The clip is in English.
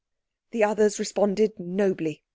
The others responded nobly.